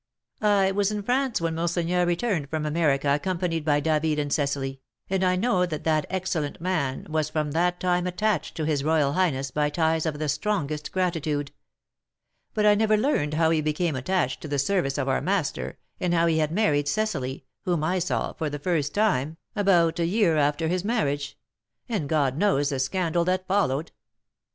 "I was in France when monseigneur returned from America, accompanied by David and Cecily, and I know that that excellent man was from that time attached to his royal highness by ties of the strongest gratitude; but I never learned how he became attached to the service of our master, and how he had married Cecily, whom I saw, for the first time, about a year after his marriage; and God knows the scandal that followed!"